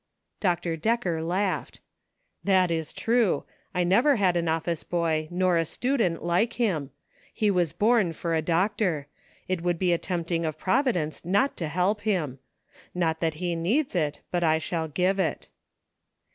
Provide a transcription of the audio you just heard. Dr. Decker laughed. " That is true ; I never had an office boy nor a student like him ; he was born for a doctor ; it would be a tempting of Providence not to help him ; not that he needs it, but I shall give it."